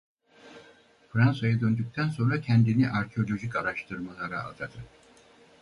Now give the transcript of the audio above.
Fransa'ya döndükten sonra kendini arkeolojik araştırmalara adadı.